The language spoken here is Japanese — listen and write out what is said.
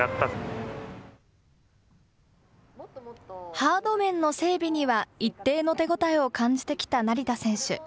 ハード面の整備には、一定の手応えを感じてきた成田選手。